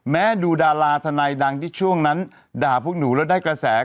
ดูดาราทนายดังที่ช่วงนั้นด่าพวกหนูแล้วได้กระแส